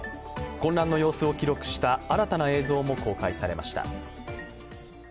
混乱の様子を記録した新たな映像も公開されました。